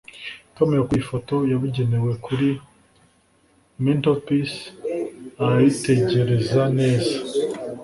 tom yakuye ifoto yabugenewe kuri mantelpiece arayitegereza neza